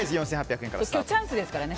今日、チャンスですからね。